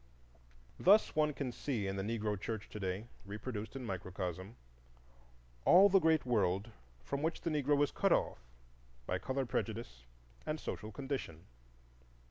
Thus one can see in the Negro church to day, reproduced in microcosm, all the great world from which the Negro is cut off by color prejudice and social condition.